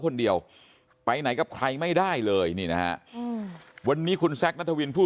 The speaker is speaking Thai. คนเดียวไปไหนกับใครไม่ได้เลยนี่นะฮะวันนี้คุณแซคนัทวินผู้